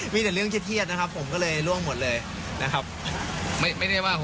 มีแต่เรื่องเครียดนะครับผมก็เลยล่วงหมดเลยนะครับ